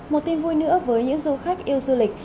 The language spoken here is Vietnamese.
một tin vui nữa với những du khách yêu du lịch